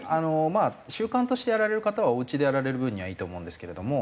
まあ習慣としてやられる方はおうちでやられる分にはいいと思うんですけれども。